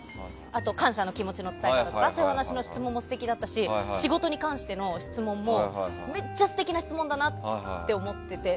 あとは感謝の気持ちの伝え方とかも素敵だったし仕事に関しての質問もめっちゃ素敵な質問だなと思ってて。